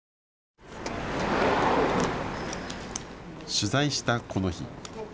取材したこの日。